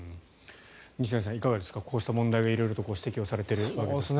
西成さん、いかがですかこうした問題が色々と指摘されているわけですが。